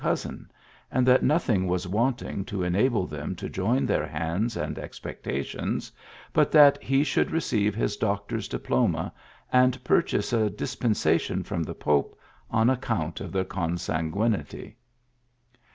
51 cousin, and that nothing was wanting to enable them to join their hands and expectations, but that he should receive his doctor s diploma, and purchase a dispensation from the pope, on account of their consanguinity.